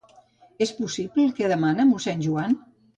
És possible el que demana mossèn Joan?